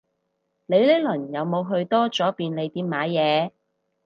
你呢輪有冇去多咗便利店買嘢